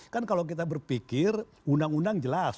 kan kalau kita berpikir undang undang jelas